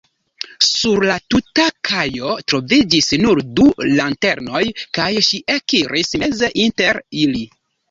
Sur la tuta kajo troviĝis nur du lanternoj, kaj ŝi ekiris meze inter ili.